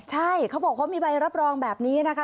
ใช่เขาบอกเขามีใบรับรองแบบนี้นะคะ